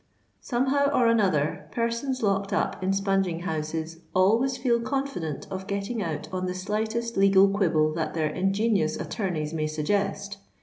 Somehow or another, persons locked up in spunging houses always feel confident of getting out on the slightest legal quibble that their ingenious attorneys may suggest.